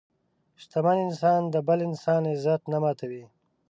شتمن انسان د بل انسان عزت نه ماتوي.